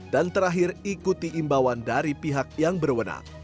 dan terakhir ikuti imbauan dari pihak yang berwenang